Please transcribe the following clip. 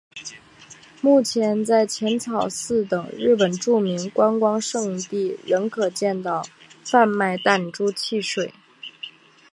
目前在浅草寺等日本著名观光胜地仍可见到贩卖弹珠汽水。